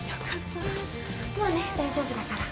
もうね大丈夫だから。